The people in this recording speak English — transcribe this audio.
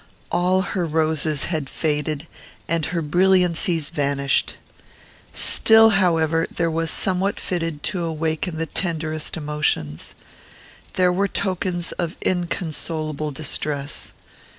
All her roses had faded, and her brilliancies vanished. Still, however, there was somewhat fitted to awaken the tenderest emotions. There were tokens of inconsolable distress.